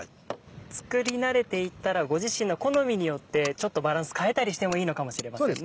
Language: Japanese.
作り慣れていたらご自身の好みによってちょっとバランス変えたりしてもいいのかもしれませんね。